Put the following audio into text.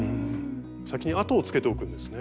先に跡をつけておくんですね。